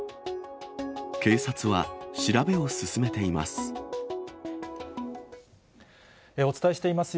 警察は、調べを進めています。